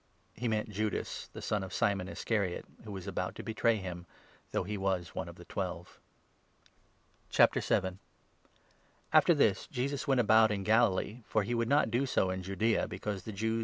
4. . JOHN, 6 7. 179 He meant Judas, the son of Simon Iscariot, who was about to 71 betray him, though he was one of the Twelve. Jesus and After this, Jesus went about in Galilee, for he i his would not do so in Judaea, because the Jews Brothers.